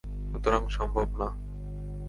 সুতরাং সম্ভব না।